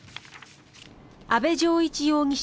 安部丈一容疑者